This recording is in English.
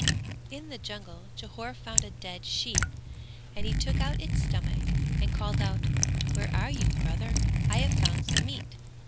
In the jungle Jhore found a dead sheep and he took out its stomach and called out "Where are you, brother, I have found some meat."